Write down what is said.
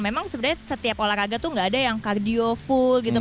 memang sebenarnya setiap olahraga tuh gak ada yang kardio full gitu